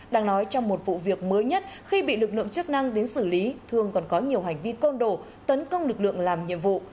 đang nói trong một vụ việc mới nhất khi bị lực lượng chức năng đến xử lý thường còn có nhiều hành vi côn đổ tấn công lực lượng làm nhiệm vụ